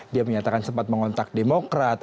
dia menyatakan sempat mengontak demokrat